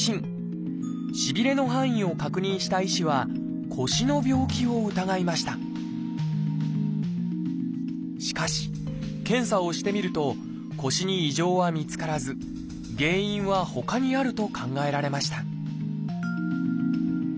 しびれの範囲を確認した医師は腰の病気を疑いましたしかし検査をしてみると腰に異常は見つからず原因はほかにあると考えられました